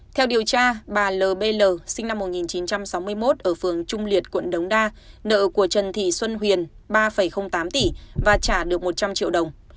theo điều tra bà l sinh năm một nghìn chín trăm sáu mươi một ở phường trung liệt quận đống đa nợ của trần thị xuân huyền ba tám tỷ và trả được một trăm linh triệu đồng